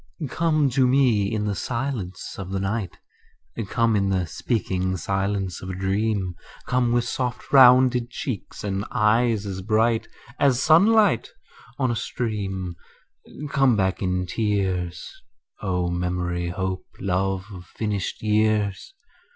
Come to me in the silence of the night; Come in the speaking silence of a dream; Come with soft rounded cheeks and eyes as bright As sunlight on a stream; Come back in tears, O memory, hope, love of finished years.